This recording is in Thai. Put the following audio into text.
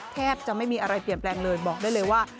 แทบจะไม่มีอะไรเปลี่ยนแปลงเลยบอกได้เลยว่า